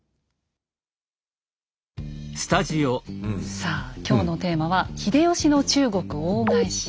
さあ今日のテーマは「秀吉の中国大返し」。